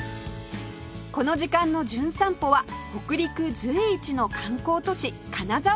この時間の『じゅん散歩』は北陸随一の観光都市金沢スペシャル！